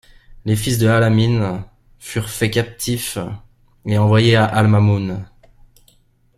Les fils de Al-Amîn furent fait captifs et envoyés à Al-Ma’mûn.